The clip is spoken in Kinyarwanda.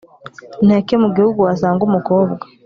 ni hake mu gihugu wasanga umukobwa